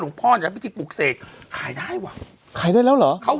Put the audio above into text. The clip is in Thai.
หลุงพ่อเลยที่ปึกเสกขายได้วะขายได้แล้วหรอเขา